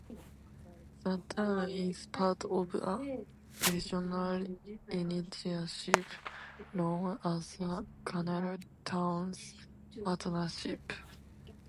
The town is part of a regional initiative known as the Canal Towns Partnership.